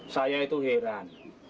saya itu heran